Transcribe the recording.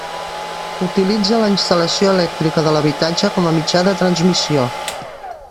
Utilitza la instal·lació elèctrica de l'habitatge com a mitjà de transmissió.